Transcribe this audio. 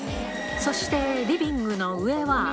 そしてリビングの上は。